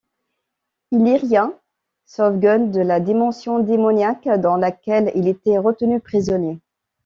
Illyria sauve Gunn de la dimension démoniaque dans laquelle il était retenu prisonnier.